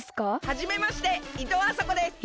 はじめましていとうあさこです。